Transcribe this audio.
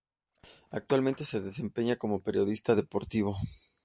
Actualmente se desempeña como Periodista Deportivo.